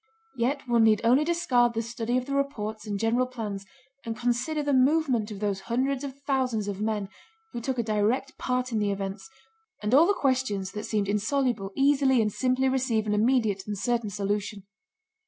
Yet one need only discard the study of the reports and general plans and consider the movement of those hundreds of thousands of men who took a direct part in the events, and all the questions that seemed insoluble easily and simply receive an immediate and certain solution.